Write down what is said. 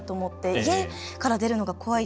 家から出るのが怖い。